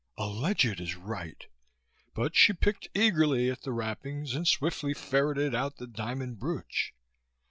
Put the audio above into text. "Alleged is right!" But she picked eagerly at the wrappings and swiftly ferreted out the diamond brooch.